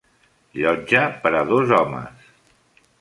Llotja per a dos homes.